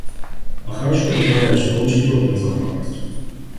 А хорошо бы, товарищ, получить орден за храбрость.